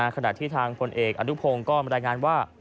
ขณะที่ทางคนเอกอันดุพงษ์ก็รายงานว่า